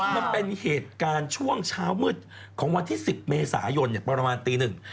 มันเป็นเหตุการณ์ช่วงเช้ามืดของวันที่๑๐เมษายนประมาณตีหนึ่ง